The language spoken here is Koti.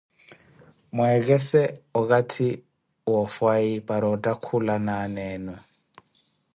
Mweekese okathi woofhayi para ottakhula na aana enu.